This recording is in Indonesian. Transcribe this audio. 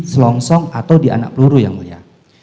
selongsong atau di anak peluru yang mulia